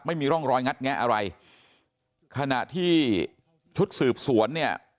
ไม่มีร่องรอยงัดแงะอะไรขณะที่ชุดสืบสวนเนี่ย